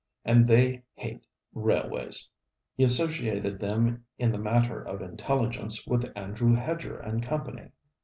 'And they hate railways!' He associated them, in the matter of intelligence, with Andrew Hedger and Company.